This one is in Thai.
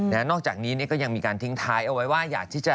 มานอกจากนี้ก็ยังมีการทิ้งท้ายเอาไว้ว่า